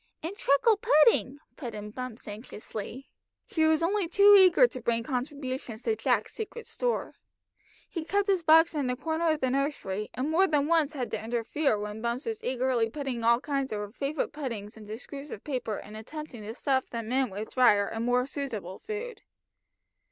"And treacle pudding," put in Bumps anxiously. She was only too eager to bring contributions to Jack's secret store. He kept his box in a corner of the nursery, and more than once had to interfere when Bumps was eagerly putting all kinds of her favourite puddings into screws of paper and attempting to stuff them in with drier and more suitable food.